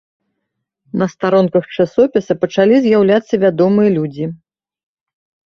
На старонках часопіса пачалі з'яўляцца вядомыя людзі.